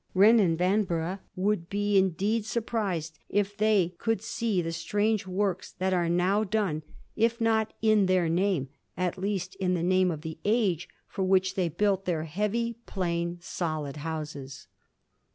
Wren and Vanbrugh would be indeed surprised if they could see the strange works that are now done, if not iu Digiti zed by Google 1714 ANNE'S LONDON. 91 their name, at least in the name of the age for which they built their heavy, plain, solid houses.